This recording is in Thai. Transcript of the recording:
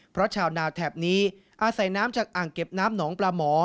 เพราะชาวนาแถบนี้อาศัยน้ำจากอ่างเก็บน้ำหนองปลาหมอ